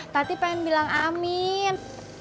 tadi pengen bilang amin